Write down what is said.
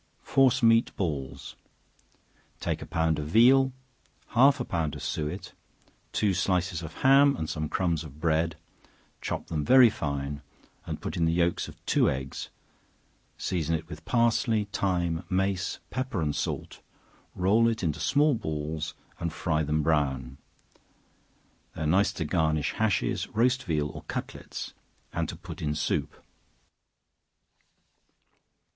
Force Meat Balls. Take a pound of veal, half a pound of suet, two slices of ham, and some crumbs of bread, chop them very fine, and put in the yelks of two eggs, season it with parsley, thyme, mace, pepper and salt, roll it into small balls, and fry them brown. They are nice to garnish hashes, roast veal or cutlets, and to put in soup.